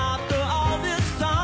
どうした？